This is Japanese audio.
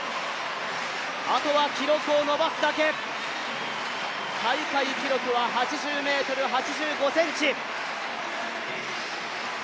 あとは記録を伸ばすだけ、大会記録は８０ｍ８５ｃｍ。